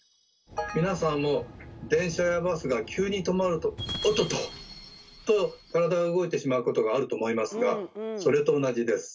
皆さんも電車やバスが急に止まるとおっとっとと体が動いてしまうことがあると思いますがそれと同じです。